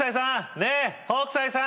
ねえ北斎さん！